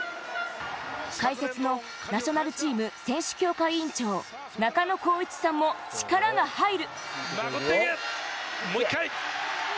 解説のナショナルチーム選手強化委員長・中野浩一さんも力が入る。